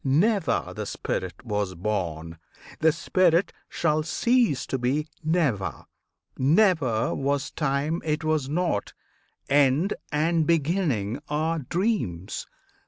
Never the spirit was born; the spirit shall cease to be never; Never was time it was not; End and Beginning are dreams!